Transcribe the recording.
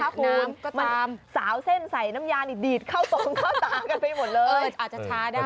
ก็ไม่ติดคร้อเลย